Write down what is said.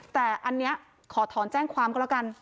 แต่อันนี้ขอถอนแจ้งความก็แล้วกัน